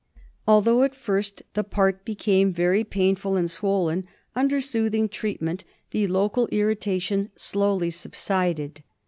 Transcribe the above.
Although at first the part became very painful and swollen, under soothing treatment the local irrita tion slowly subsided.